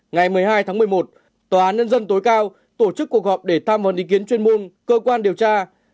ngày một mươi hai tháng một mươi một tòa án nhân dân tối cao tổ chức cuộc họp để tham vấn ý kiến chuyên môn cơ quan điều tra